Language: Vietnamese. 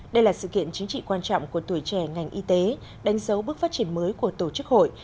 đây là sự kiện chính trị quan trọng của tuổi trẻ ngành y tế đánh dấu bước phát triển mới của tổ chức hội